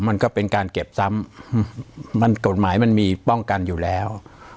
มันก็เป็นการเก็บซ้ำมันกฎหมายมันมีป้องกันอยู่แล้ว